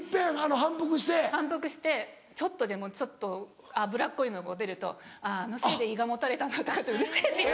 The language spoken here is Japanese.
反復してちょっとでもちょっと脂っこいのが出ると「あのせいで胃がもたれたんだ」とかってうるせぇっていう。